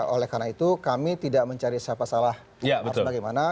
oleh karena itu kami tidak mencari siapa salah harus bagaimana